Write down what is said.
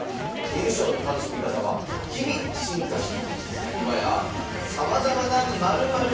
観る将の楽しみ方は日々進化し今やさまざまな○○将が。